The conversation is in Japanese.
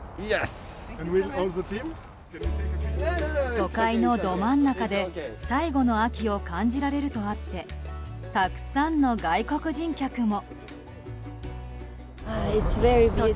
都会のど真ん中で最後の秋を感じられるとあってたくさんの外国人客も。